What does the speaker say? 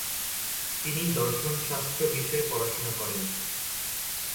তিনি দর্শনশাস্ত্র বিষয়ে পড়াশোনা করেন।